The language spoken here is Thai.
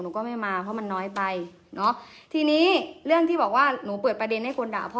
ก็ไม่มาเพราะมันน้อยไปเนอะทีนี้เรื่องที่บอกว่าหนูเปิดประเด็นให้คนด่าพ่อ